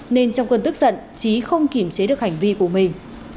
nên trong cơn tức giận trí không kiểm chế được hành vi của mình